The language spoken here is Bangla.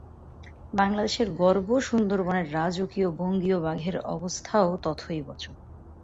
বাংলাদেশের গর্ব সুন্দরবনের রাজকীয় বঙ্গীয় বাঘের অবস্থাও তথৈবচ।